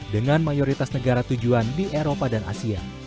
dengan mayoritas negara tujuan di eropa dan asia